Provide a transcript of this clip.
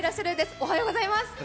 おはようございます。